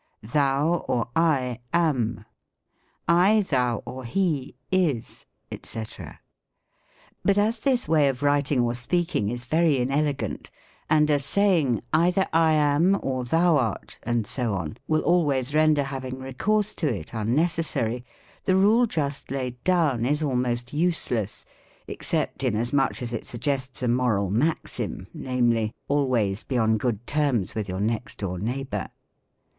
" Thou or I a/n." " I, thou, or he is," &c. But as this way of writing or speaking is very inelegant, and as saying, " Either I am, or thou art," and so on, will always render having recourse to it unnecessary, the rule just laid down is almost use K less, except inasmuch as it suggests a moral maxim, w namely, " Always be on good terms witli your next |.' door neighbor."